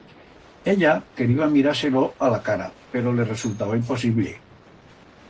Ella queriba mirar-se-lo a la cara, pero le resultaba imposiblle.